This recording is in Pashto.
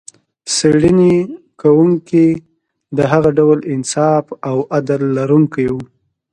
څېړنې کوونکي د هغه ډول انصاف او عدل لرونکي و.